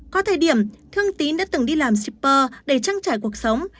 có thời điểm thương tín đã từng đi làm shipper để trang trải cuộc sống